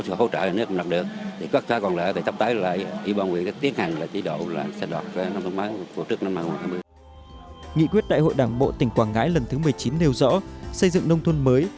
xây dựng nông thôn mới đạt một mươi chín trên một mươi chín tiêu chí xây dựng nông thôn mới